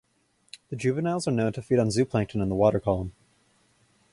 The juveniles are known to feed on zooplankton in the water column.